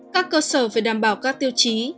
các cơ sở phải đảm bảo các tiêu chí